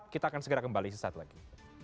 kita akan segera kembali sesaat lagi